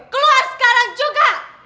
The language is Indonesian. keluar sekarang juga